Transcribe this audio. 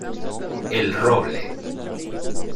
El Roble.